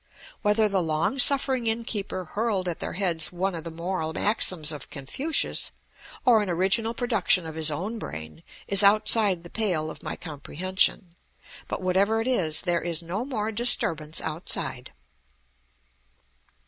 Whether the long suffering innkeeper hurled at their heads one of the moral maxims of Confucius, or an original production of his own brain, is outside the pale of my comprehension; but whatever it is, there is no more disturbance outside.